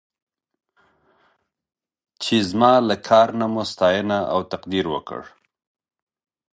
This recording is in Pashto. چې زما که کار نه مو ستاینه او تقدير وکړ.